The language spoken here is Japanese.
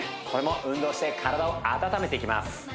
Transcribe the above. これも運動して体を温めていきます